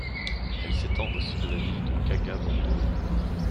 Elle s’étend au sud de la ville de Kaga-Bandoro.